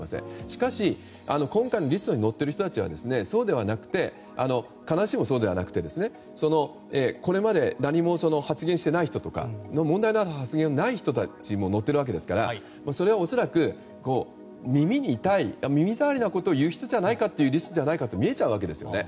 しかし、今回のリストに載っている人たちは必ずしもそうではなくてこれまで何も発言していない人とか問題ある発言のない人も載っているわけですからそれは恐らく耳障りなことを言う人じゃないかというリストじゃないかと見えちゃうわけですよね。